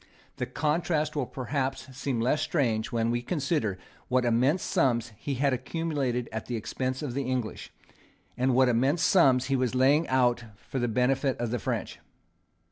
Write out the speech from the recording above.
The contrast will perhaps seem less strange when we consider what immense sums he had accumulated at the expense of the English, and what immense sums he was laying out for the benefit of the French.